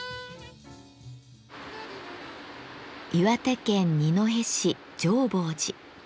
岩手県二戸市浄法寺。